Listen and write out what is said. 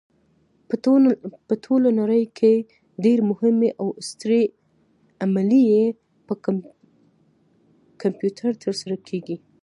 په ټوله نړۍ کې ډېرې مهمې او سترې عملیې په کمپیوټر ترسره کېږي.